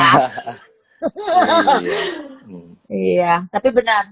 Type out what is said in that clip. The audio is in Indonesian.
iya tapi benar